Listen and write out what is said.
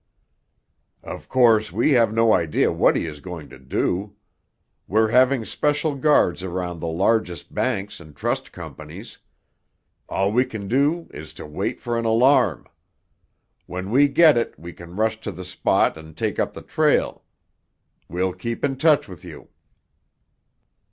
"Of course, we have no idea what he is going to do. We're having special guards around the largest banks and trust companies. All we can do is to wait for an alarm. When we get it we can rush to the spot and take up the trail. We'll keep in touch with you."